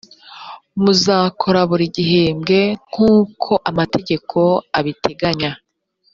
muzakora buri gihembwe nkuko amategeko abiteganya.